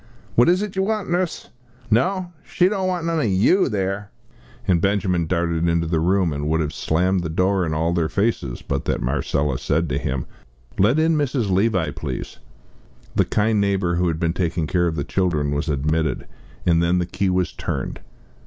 "What is it you want, Nuss? No, she don't want none o' you there!" And Benjamin darted into the room, and would have slammed the door in all their faces, but that Marcella said to him "Let in Mrs. Levi, please." The kind neighbour, who had been taking care of the children, was admitted, and then the key was turned.